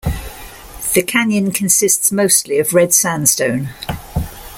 The canyon consists mostly of red sandstone.